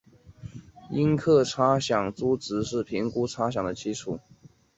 应课差饷租值是评估差饷的基础。